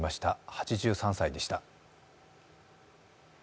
８３歳でした。